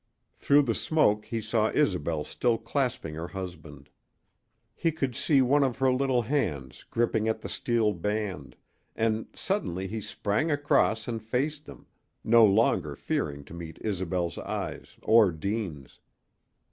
Through the smoke he saw Isobel still clasping her husband. He could see one of her little hands gripping at the steel band, and suddenly he sprang across and faced them, no longer fearing to meet Isobel's eyes or Deane's.